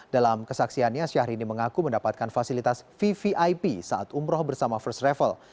dalam kesaksiannya syahrini mengaku mendapatkan fasilitas vvip saat umroh bersama first travel